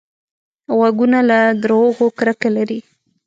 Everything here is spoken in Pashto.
غوږونه له دروغو کرکه لري